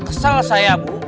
kesel saya bu